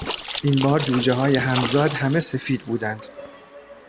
این بار جوجههای همزاد همه سفید بودند.